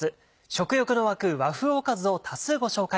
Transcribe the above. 食欲の湧く和風おかずを多数ご紹介。